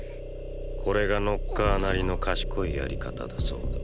これがノッカーなりの賢いやり方だそうだ。